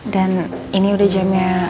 dan ini udah jamnya